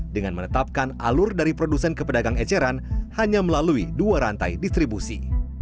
dengan menetapkan alur dari produsen ke pedagang eceran hanya melalui dua rantai distribusi